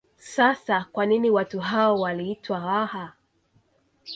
Sasa kwa nini watu hao waliitwa Waha